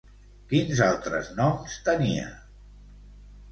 Quins altres noms tenia?